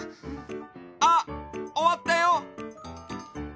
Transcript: あっおわったよ！